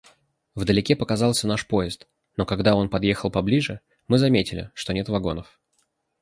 Вдалеке показался наш поезд, но когда он подъехал поближе, мы заметили, что нет вагонов.